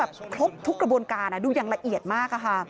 ครบทุกกระบวนการดูอย่างละเอียดมากอะค่ะ